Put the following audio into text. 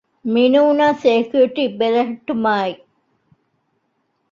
މިނޫނަސް ސެކިއުރިޓީ ބެލެހެއްޓުމާއި